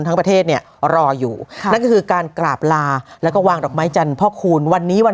ทั้งประเทศเนี่ยรออยู่นะคะคือการกลับลาและวางดอกไม้จันทร์เพราะคุณวันนี้วัน